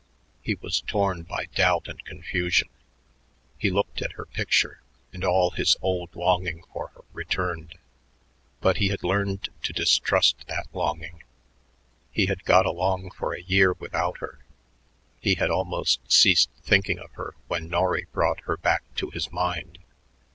He was torn by doubt and confusion. He looked at her picture, and all his old longing for her returned. But he had learned to distrust that longing. He had got along for a year without her; he had almost ceased thinking of her when Norry brought her back to his mind.